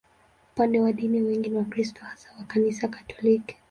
Upande wa dini, wengi ni Wakristo, hasa wa Kanisa Katoliki.